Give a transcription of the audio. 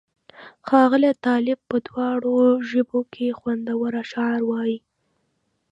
ښاغلی طالب په دواړو ژبو کې خوندور اشعار وایي.